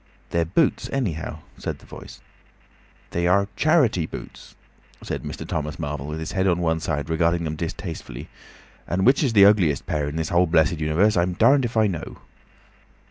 "They're boots, anyhow," said the Voice. "They are—charity boots," said Mr. Thomas Marvel, with his head on one side regarding them distastefully; "and which is the ugliest pair in the whole blessed universe, I'm darned if I know!"